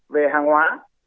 về hàng hóa